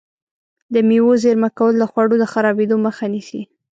د مېوو زېرمه کول د خوړو د خرابېدو مخه نیسي.